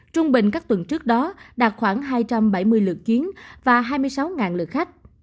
trung bình các tuần trước đó đạt khoảng hai trăm bảy mươi lượt chuyến và hai mươi sáu lượt khách